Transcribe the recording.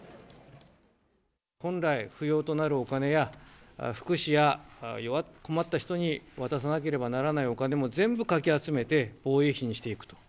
本来不要となるお金や、福祉や困った人に渡さなければならないお金も全部かき集めて防衛費にしていくと。